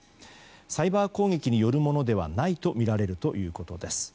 サイバー攻撃によるものではないということです。